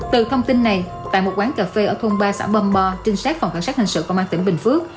từ thông tin này tại một quán cà phê ở thôn ba xã vong bo trinh sát phòng cảnh sát hành sự công an tỉnh bình phước